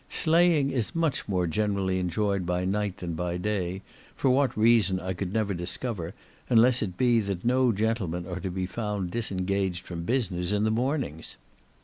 Sleighing is much more generally enjoyed by night than by day, for what reason I could never discover, unless it be, that no gentlemen are to be found disengaged from business in the mornings.